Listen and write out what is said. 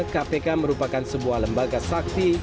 kpk merupakan sebuah lembaga sakti